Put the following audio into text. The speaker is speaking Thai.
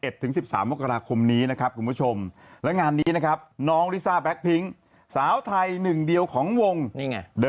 อีแท็กมันยังช่างหกเกลือพักก่อนเดี๋ยวกลับมาใหม่